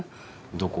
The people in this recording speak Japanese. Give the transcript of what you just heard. どこ？